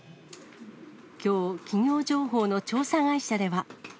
きょう、企業情報の調査会社では。